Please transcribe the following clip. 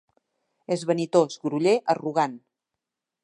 És vanitós, groller, arrogant.